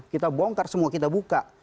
kita bongkar semua kita buka